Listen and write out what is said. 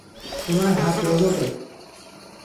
তোমার হাত রোবটের।